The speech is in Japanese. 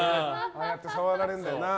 ああやって触られるんだよな。